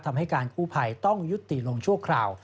ทำให้การกู้ภัยต้องยุติลงชั่วคราว